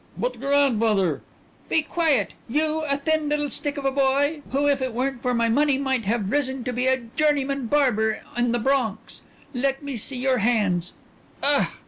"But Grandmother " "Be quiet. You, a thin little stick of a boy, who if it weren't for my money might have risen to be a journeyman barber out in the Bronx Let me see your hands. Ugh!